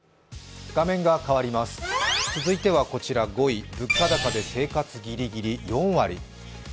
続いてはこちら５位、物価高で生活ギリギリ、４割。